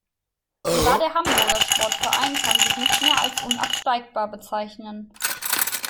Sogar der Hamburger Sportverein kann sich nicht mehr als unabsteigbar bezeichnen.